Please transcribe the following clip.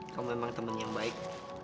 kau memang teman yang baik